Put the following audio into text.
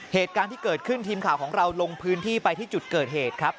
เหตุการณ์ที่เกิดขึ้นทีมข่าวของเราลงพื้นที่ไปที่จุดเกิดเหตุครับ